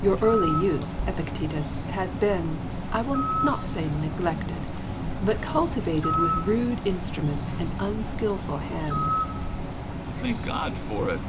Your early youth, Epictetus, has been, I will not say neglected, but cultivated with rude instruments and unskilful hands. Epictetus. I thank God for it.